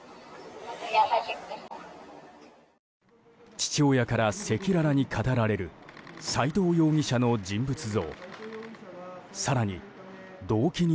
父親から赤裸々に語られる斎藤容疑者の人物像。